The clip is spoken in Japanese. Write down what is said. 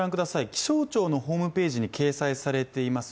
気象庁のホームページに掲載されています